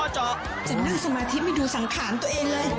จึงนั่งสมาธิไม่ดูสังขารตัวเองเลย